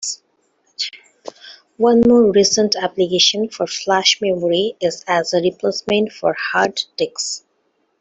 One more recent application for flash memory is as a replacement for hard disks.